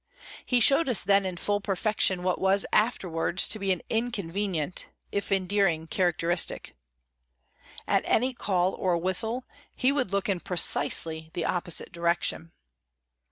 He showed us then in full perfection what was afterwards to be an inconvenient—if endearing —characteristic: At any call or whistle he would look in precisely the opposite direction.